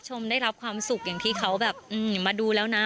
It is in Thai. ชมได้รับความสุขอย่างที่เขาแบบมาดูแล้วนะ